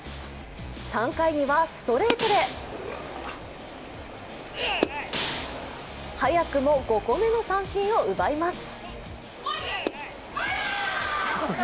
３回にはストレートで早くも５個目の三振を奪います。